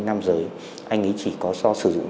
nam giới anh ấy chỉ có so sử dụng